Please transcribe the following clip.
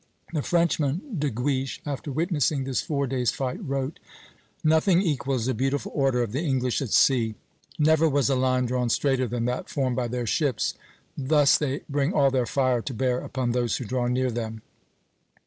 The Frenchman De Guiche, after witnessing this Four Days' Fight, wrote: "Nothing equals the beautiful order of the English at sea. Never was a line drawn straighter than that formed by their ships; thus they bring all their fire to bear upon those who draw near them....